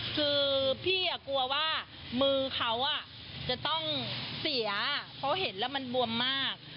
คือพี่กลัวว่ามือเขาจะต้องเสียเพราะเห็นแล้วมันบวมมาก